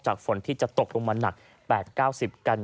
ฝนที่จะตกลงมาหนัก๘๙๐กัน